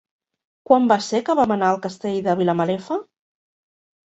Quan va ser que vam anar al Castell de Vilamalefa?